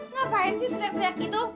ngapain sih liat liat gitu